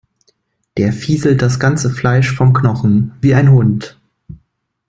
Der fieselt das ganze Fleisch vom Knochen, wie ein Hund.